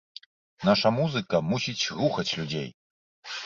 Наша музыка мусіць рухаць людзей.